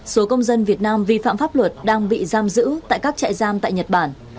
số công dân việt nam vi phạm pháp luật đang bị giam giữ tại các trại giam tại nhật bản